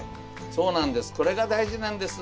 そうなんです